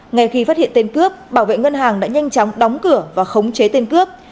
ngay khi phát hiện tên cướp bảo vệ ngân hàng đã nhanh chóng đóng cửa và khống chế tên cướp